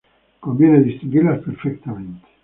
Conviene distinguirlas perfectamente.